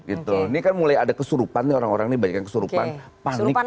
ini kan mulai ada kesurupan nih orang orang ini banyak kesurupan panik ya kan